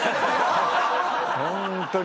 ホントに。